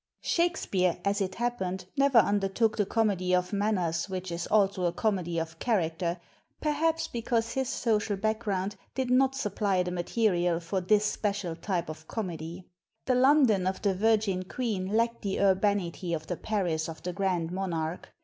Shakspere, as it happened, never undertook the comedy of manners which is also a comedy of character, perhaps because his social background did not supply the mate rial for this special type of comedy. The Lon don of the Virgin Queen lacked the urbanity of the Paris of the Grand Monarch.